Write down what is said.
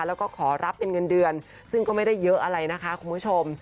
แล้วก็ขอรับเป็นเงินเดือนซึ่งก็ไม่ได้เยอะอะไรนะคะคุณผู้ชม